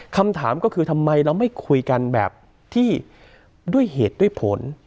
คำถามก็คือทำไมเราไม่คุยกันแบบที่ด้วยเหตุด้วยผล